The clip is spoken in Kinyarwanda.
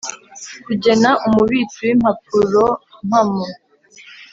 kugena Umubitsi w impapurompamo